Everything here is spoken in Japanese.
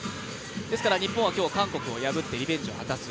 ですから、日本は今日韓国を破ってリベンジを果たす。